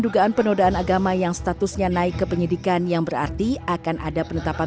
dugaan penodaan agama yang statusnya naik ke penyidikan yang berarti akan ada penetapan